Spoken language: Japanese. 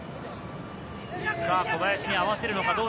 小林に合わせるのか？